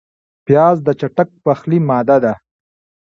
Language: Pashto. پیاز د چټک پخلي ماده ده